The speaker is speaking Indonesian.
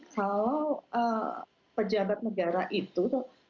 kalau pejabat negara itu